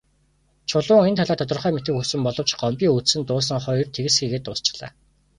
Чулуун энэ талаар тодорхой мэдэхийг хүссэн боловч Гомбын үзсэн дуулсан хоёр тэгсхийгээд дуусчихлаа.